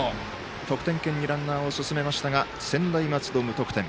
得点圏にランナーを進めましたが専大松戸、無得点。